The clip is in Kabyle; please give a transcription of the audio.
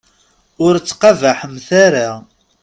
Ur ttqabaḥemt ara.